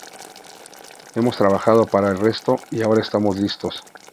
Hemos trabajando para esto, y ahora estamos listos.